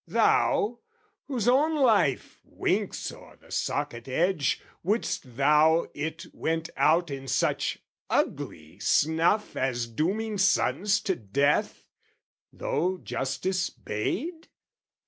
"Thou, whose own life winks o'er the socket edge, "Would'st thou it went out in such ugly snuff "As dooming sons to death, though justice bade?